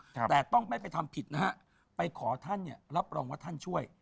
แต่ต้องไม่ไปทำผิดนะฮะไปขอท่านเนี่ยรับรองว่าท่านช่วย